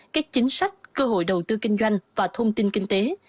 các chính sách cơ hội đầu tư kinh doanh và thông tin kinh tế